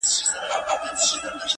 تل له نوي کفن کښه څخه ژاړي-